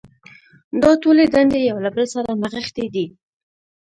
دا ټولې دندې یو له بل سره نغښتې دي.